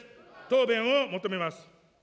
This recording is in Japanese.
答弁を求めます。